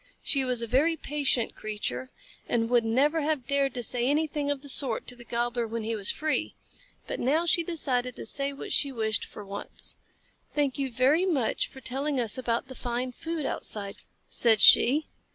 She was a very patient creature, and would never have dared say anything of the sort to the Gobbler when he was free, but now she decided to say what she wished for once. "Thank you very much for telling us about the fine food outside," said she.